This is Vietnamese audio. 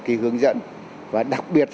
khi hướng dẫn và đặc biệt